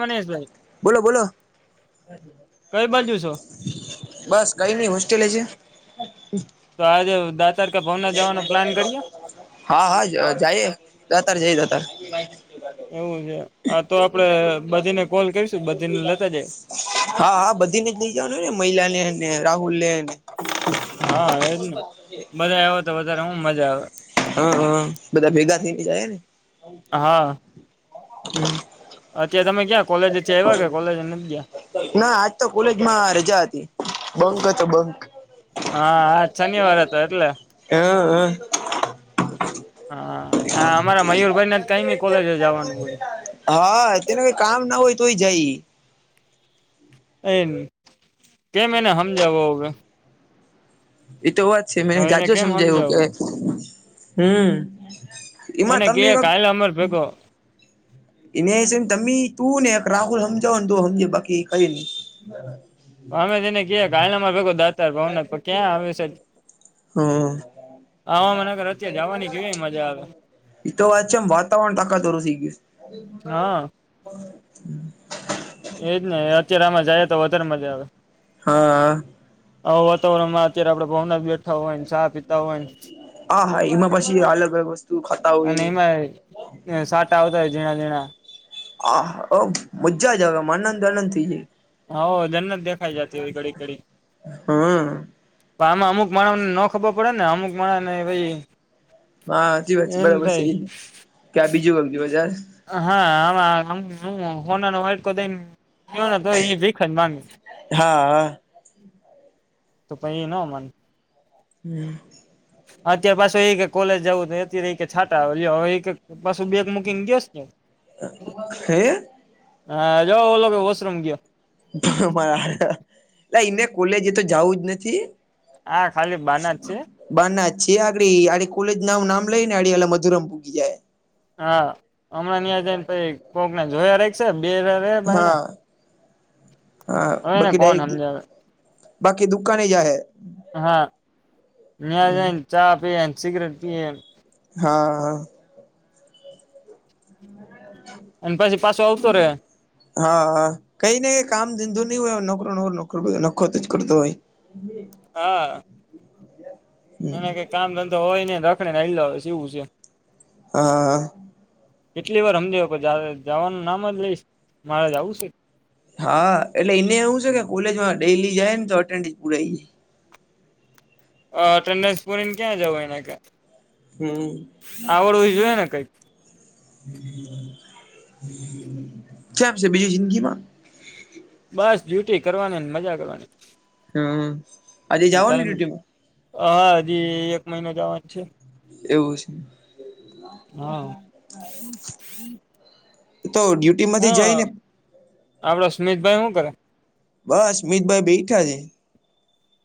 મનીષભાઈ બોલો બોલો કઈ બાજુ છો બસ કઈ નઈ હોસ્ટેલે છે તો આજે દા તારકા ભવના જવાનો પ્લાન કરીયે હા હા જઈએ દાતાર જઈ દાતાર એવું છે હ તો આપડે બધીને કોલ કરીશું બધીને લેતા જાય હા હા બધી ને જ નઈ જવાનું હોય ને મહિલા ને ને રાહુલ ને ને હા એજ ને બધા આવો તો વધારે હું મજા આવે હા હા બધા ભેગા થઈને જાય ને હા અત્યારે તમે ક્યાં કોલેજે થી આવ્યા કે કોલેજ નથ ગિયા ના આજ તો કોલેજમાં રજા હતી બંક હતો બંક હા હા શનિવાર હતો એટલે હ હ હા આ અમારા મયુરભાઈને કઈમે કોલેજ જવાનું હોય હા તેને કઈ કામ ના હોય તોય જાય એમ કેમ એને હમજાવો હવે એતો વાત છે મે હવે એને જાજો કેમ સમજાયું કે સમજાવો હમ્મ એમાં એને કે તમને ક કાલે અમાર ભેગો એને છે તમે તું ને એક રાહુલ સમજાવ ને તો સમજે બાકી કઈ નહી અમે તેને ક કાલનામાં ભેગો દાતાર ભાવન ક્યાં આવે છે હમ હ મનેગર અત્યારે જવાની કેવી મજા આવે એ તો વાત છે એમ વાતાવરણ તાકાતરું થઈ ગયું હા એજ ને અત્યારે આમાં જાયએ તો વધારે મજા આવે હા હ વાતાવરણમાં અત્યારે આપડે ભાવના બેઠા હોય ને ચા પીતા હોય ને હા હા એમાં પછી અલગ અલગ વસ્તુ ખાતા હોય હ સાટા આવ તો જીણા દેણા આા મજા જાવ આમાં આનંદ આનંદ થઇ જાય હ જન જ દેખાયાઈ જ હો ઘડી કડી હમ પણ આમાં અમુક માણને ન ખબર પડે ને અમુક માણ ને ભાઈ હા સાચી વાત છે એમ બરાબર છે થાય કે્યાં બીજું વું બજાર હા આ હોના વાટ તો એ ભીખ જગ હા તો પ ન મન હમ હા અત્યારે પાછું એ કે કોલેજ જવું અત્યારે એ કે છાટા આવે પાછું બેગ મૂકીને દયોસ ને હે [unintelligible] હા જાઓ ઓલોગ વશ્રમ ગયો એટ એને કોલેજે તો જવું જ નથી હા ખાલી બના જ છે બાર ના છે આગડી આડી કોલેજ નાું નામ લઈ ને આડી એ મધુરમ પૂગી જાય હા હમણાં ્યાં જને પ કોક ના જોયા ર છે બે રે ભને હા હા હને બાકી કોણ ડાયરેક્ટ સમજાવ બાકી દુકાને જા હૈ હા હી ચા પ સિગરેટ પી હા હા હમ અને પછી પાછો આવતો રે હા હા કઈ નઈ કામ ધંધો નહીઈ હોય નોકરો નો નોક નખો કરતો હોય હા હમ એને કઈ કામ ધંધો હોય ને રખડીને લ છેવું છે હા હા કેટલી વાર સમમજ જવાનું નામ જ લઈશ મારે જ આવું છે હા એટલે એને એવું છે કે કોલેજમાં ડેલી જાય ને તોન્ડસ પુરાઈાય અટેન્ડન્સ પૂરીને ક્યાં જવો એના હમ આવડવવી જોઈએ ને કઈક કેમ છે બીજી જિંદગી માં બસ ડ્યુટી કરવાની મજા કરવાની હમ આજે જઓ ને ટાઈમ ડ્યુટીમાં હા હજી એક મહિના જવાની છે એવું છે. હા તો ડ્ય [unintelligible] હ આપડા સુમિતભાઈ શું કરે બસ મિતભાઈ બેઠા છે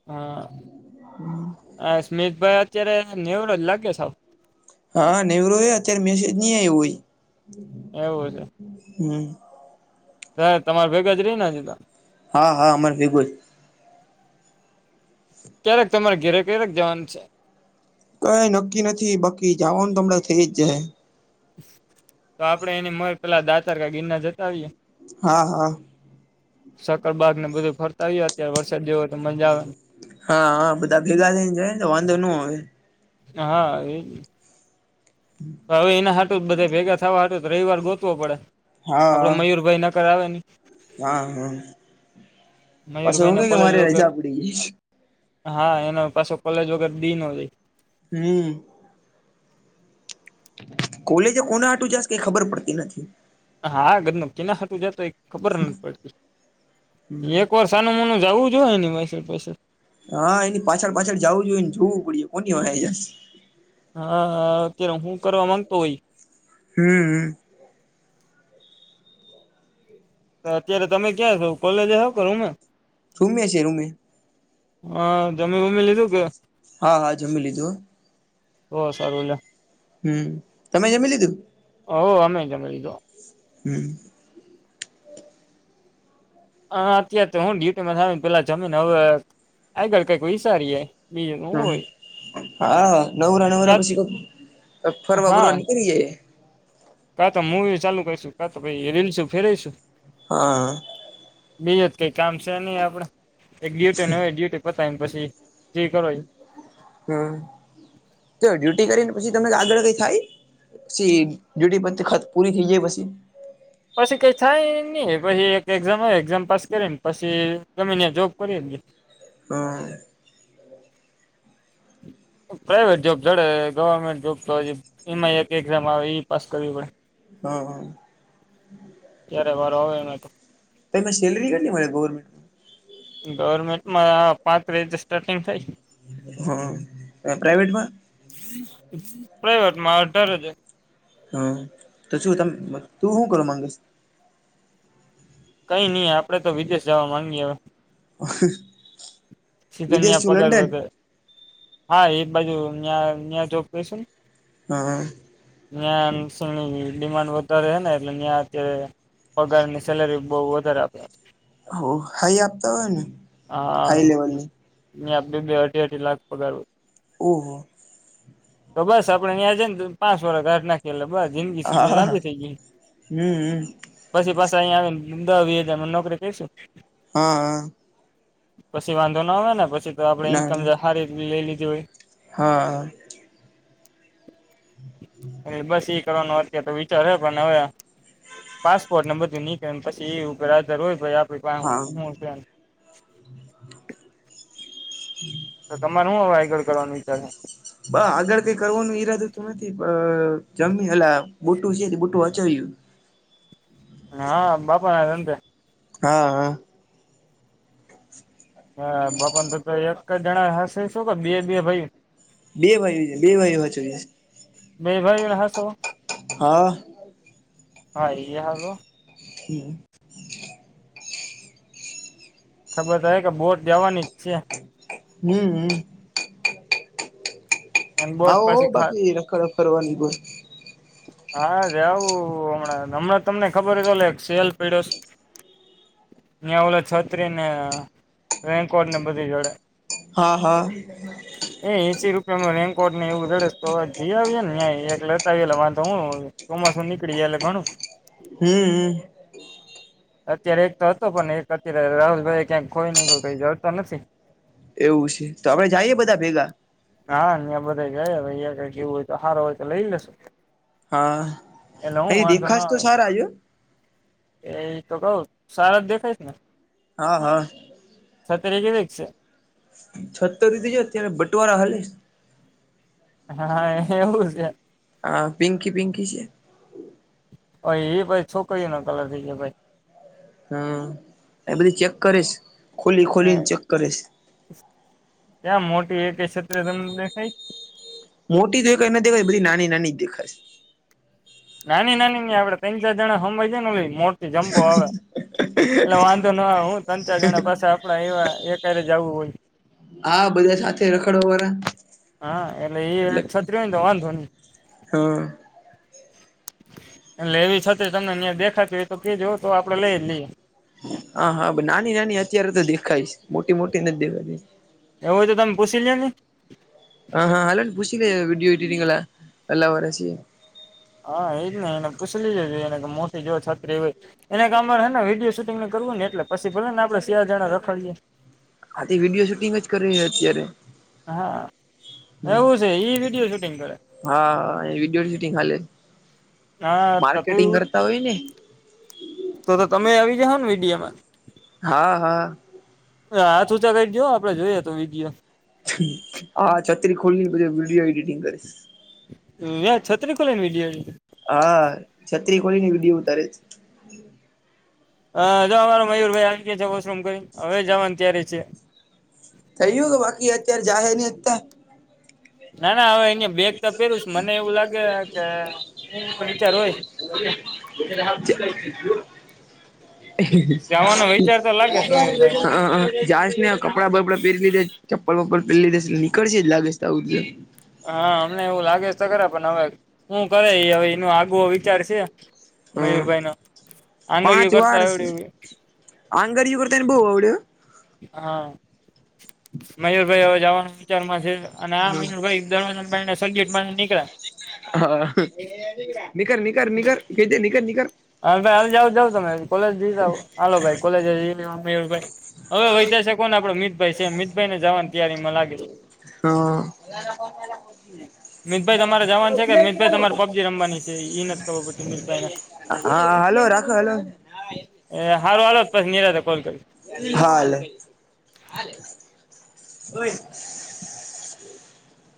હા હ સ્મિતભાઈ અત્યારે નેવડો જ લાગે સાવ હા નનેવરો અત્યારે મેસેજ નવું હોય એવું છે હમ હ તમારે ભેગા જ રહીને જ હા હા અમારે ફ ગ ક્યારેક તમારે ઘરે ક્યારેક જવાનું છે કઈ નક્કી નથી બાકી જવાનું તમણાં થઇ જ જાય તો આપડે એની મ પેલા દા ચારકા ગીરના જતા આવીયએ હા હા સકરબાગ ને બધું ફરતા આવ અત્યારે વરસાદ જેવો તો મજા આવે હા હા બધા ભેગા થઈને જઈ ને તો વાંધો ન હોય હા એ જ તો હવે એનાટ બધે ભેગા થવા હતું રવિવાર ગોતવો પડે હા આપડો હા મયુરભાઈ ન કરાવવા નની હા હા મયુરભાઈ ને પછવકે કે કોલેજ મારી ર છે વગર આપડી હા એનો પાછો કોલેજ વગર બી ન જાય હમ કોલેજે કોના આટું જશ કઈ ખબર પડતી નથી હા ગજ ન કીનાતું જતો એ ખબર નથી પડતી એક વર્ષ નનું મોનું જવું જ હોય ને પસે પૈસે હા એની પાછળ પાછળ જવું જોઈએ ને જોવું પડે કોની હોય હા અત્યારે હું કરવા માંગતો હોય હમ તો અત્યારે તમે ક્યાં છો કોલેજ હવ કે રૂમ માં રૂમે છે રૂમે હા જમી વમી લીધું કે હા હા જમી લીધું હો હો સારું લે હમ તમે જમી લીધું ઓહ અમે જમે લીધું હમ હા અત્યારે તો હું ડ્યુટી માં પેલા જમી ને હવે આગળ કઈક વિચારીએે હ હા નવરા નવરા કાત બશી ક અ ફરવા હા બરવા નીકળએે કા તો મુવી ચાલુ કરીશું કા તો પાઈ રીલ છું ફેરેવીશું હા અહીંયા તો કંઈ કામ છે નહી આપણેે એક ડ્યુટી ન હોય ડ્યુટી પતાવીને પછી ફ્રી જે કરો ઈ હમ તો ડ્યુટી કરીને પછી તમે આગળ કઈ થાય પછી ડ્યુટી પતિ ખત પૂરી થઈ જાય પછી પછી કઈ થાય નહી પછી એક એક્ઝામ આવે એક્ઝામ પાસ કરીને પછી ગમે ત્યા જોબ કરીને હા પ્રાાઈવેટ જોબ જોડે ગવર્મેન્ટ જોબ તો હ એ એક એક્ઝામ આવે એ પાસ કરવી પડે હા હા જ્યારે વાર હોવે એમાં તમને સેલરી કેટલી મળે ગવર્મેન્ટની ગવર્મેન્ટમાં પાંત્રીસ હજાર સ્ટાર્ટિંગ થાય હા ને પ્રાઈવેટમાં પ્રાઈવેટ માં અઢાર હજાર હા તો શું તમે તું શું કરો માંગ સ કઈ નહી આપડે તો વિદેશ જવા માંગીએે [inaudible] વિદેશ સીઝનિયા છું પગાર લંડન વધે હા એક બાજુ અઈયા અહિયા જોબ કશું ન. હ. ન્યા એમાં શું ડિમાન્ડ વધારે છે ને એટલે ન્યા તે. પગારની સેલરી બહુ વધારે આપે હો હાઈ આપતા હોય ને હાઈ લેવલ ની. ને આપડે લે બે બે અઠી અઠી લાખ પગાર હોઈ ઓહ તો બસ આપડે અહીંયા છે ને પાંચ વર કાઢ નાખી એટલે બ જિંદગી હા લાંબી થઇ ગઈ. હમ પછી પાછા અહીંયા આવી દહ વી હજારમાં નોકરી કરીશું હા હા પછી વાંધો ના આવે ને પછી આપણે ના ઈન્કમ ના જે સારી લઈ લીધું હોય હા એ બસ એ કરવાનું વાત તો વિચાર પણ હવે પાસપોર્ટને બધું નીકળે પછી એરો ભાઈ આપે હા હું છ ન તો તમારે શું હવે આગળ કરવાનું વિચાર હ. બ આગળ કઈ કરવાનું ઈરાદો તો નથી પ જમી એલા બુટું છે બુટું હચાવ્યું હા બાપા રાંધે હા હા હા બાપન તો તો એક જણા હશે શું કે બે બે ભાઈ બે વાઈ છે બે વાઈ વાચ છે બેભાઈ રહ હ શો હા હા એ હાલું હમ્મ શબત હ કે બોટ દેવાની જ છે. હમ્મ હમ્મ અને બોટ આવો પાછી ખા બાકી રખડખ ફરવાની બ. હા જ આવું હમણાં હમણાં તમને ખબરલે સેલ પડ્યો સે. ન્યાવલ છત્રીને રેન્કોડને બધી જોડે હા હા એ એસી રુ રેનકોટની એવું જી આવએ ને એક લેતા તો હું તો માસું નીકળી જ આલે ઘનું હમ્મ હમ્મ અત્યારે એક તો હતો પણ એક અત્યારે રાહુલભાઈ ક્યાંક કોઈ ન કો કઈ જતો નથી એવું છે તો આપડે જઈએ બધા ભેગા હા અં બધા ગયાયા કઈ કે એવું હોય તો સારો હોય તો લઈ લેશો હા અહી દેખાશ ના તો આવે સારાય ય. એ તો કુંહુ સારા દખાયશને હા હા સતરેજ વક્સ સે છતરધજ અત્યારે બટવારા હાલેસ હા એવું છે આ પિંકકી પિંકી છે હ એ ભાઈ છોકરી ન કલર થઈ ગ ભાઈ. હમ્મ એ બધી ચેક કરીશ ખોલી ખોલી ને ચેક કરીશ ક્યાં મોટી એક ક્ષત્ર તમ દેાય મોટી એને દેાય બધી નાની નાની જ દેખાય છે. નાની નાની આપડે ત્રણ ચાર જણા ખભાઈ જ ને મોટી જંબો આવે એટલે વાંધો ના હું ત્રણ ચાર જણા પાસે આપડા એવા એક જું હોય હા બધા સાથે રખડો વારા હા એટલે એ છત્રી તો વાંધો નહી હા એટલે એવી છ તમને અહી દેખાત તો કેજવું તો આપડે લઈ જ લઈએ હા હા નાની નાની અત્યારે તો દેખાયશ મોટી મોટી નથી જ દેખા એવુંય તો તમે પૂછી લ લો ને હ હા હલો પુછ લ વિીડીયોું વિટરીંગ એલા ઓરાશ હા એજ ને એને પૂછ લજ એને કે મોટી જો છત્રી એ હો એના કામ હ ને વિડીયો શૂિંગ ને કરવું ને એટલે પછી ભલે ને આપણે સ શિયાળ જણા રખાડીએ આાથી વિડીયો શૂટિંગ જ કરે છે અત્યારે હા એવું છે ઈ વિડીિયો શૂટિંગ કરે હા વિડીયો શૂટિંગ હાલે હા તો તું માર્કેટિંગ કરતા હોય ને તો તમે આવી જાઓ ને વિીડિયામાં હા હા હ હાથૂચા ક જ આપડે જોઈએ તો વી ગએ હા છત્રી ખોલી બધી વિડીયો એડિટિંગ કરીશ વ્યા છત્રી ખોલા ને વિડી હા છત્રી કોોળ ની વિડીયો ઉતારે હા જો અમારો મયુરભાઈ આવી ગયા છે વશરૂમ કરીને હવે જવાની ત્યારે છે થઈ ગયું કે બાકી અત્યારે જાહે ને અત્યા ના ના હવે અહીંયા બેગ તો પહેરુંસ મને એવું લાગે કે હું વિચાર હોય [unintelligible] જવાનો વિચાર તો લાગે છે મયુરભાઈ ને [unintelligible] જાશ ને કપડા બપડા પેરી લીધે ચપલપલ પહેરી લીધા છે, નીકળશે જ લાગે છે, [unintelligible] હા અમને એવું લાગે તો ખરા પણ હવે શું કરે ઇ હવે એનો આગવો વિચાર છે. હમ મયુરભાઈ ન આંગળીયો કરતા આવડે આંગળીયુ કરતા બહુ આવડે હો. હા મયુરભાઈ હવે જવાનો વિચારમાં છે, અને આ મયુરભાઈ [unintelligible] [unintelligible] નીકળા હા નીકર નીકર નિકર કેજે નીકર નીકર. હા ભાઈ હાલ જાવ જાવ તમે કોલેજ જઈ જાવ હાલ ભાઈ કોલેજ જ મયુર ભાઈ હવે વૈધા શે કોને આપડો મિતભાઈ છે, મિતભાઈ ને જાવાની તૈયારી માં લાગે છે. હા. મિતભાઈ તમારે જવાનું છે કે મિતભાઈ તમારે પબજી રમવાની છે ઈ નથી ખબર પડતી મિતભાઈને [unintelligible] હા હલો રાખો હલો. એ હારું હાલો પછી નીરાંતે કોલ કરી. હાલ. [unintelligible] [unintelligible]